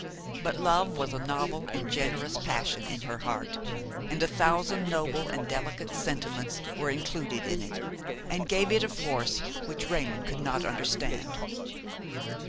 But love was a novel and generous passion in her heart, and a thousand noble and delicate sentiments were included in it and gave it a force which Raymon could not understand.